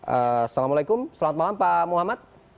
assalamualaikum selamat malam pak muhammad